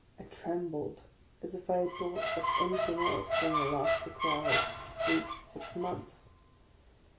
I trem bled as if I had thought of any thing else during the last six hours, six weeks, six months.